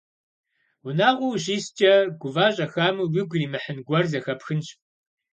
Унагъуэ ущискӏэ, гува щӏэхами уигу иримыхьын гуэр зэхэпхынщ.